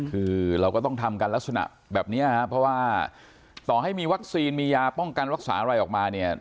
คือเราก็ต้องทำกันลักษณะแบบนี้ครับเพราะว่าต่อให้มีวัคซีนมียาป้องกันรักษาอะไรออกมาเนี่ย